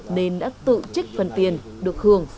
nên đã tự trích phần tiền được hưởng